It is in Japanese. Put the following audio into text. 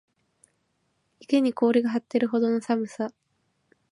池に氷が張っているほどの寒さ